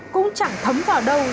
cũng chẳng thấm vào đâu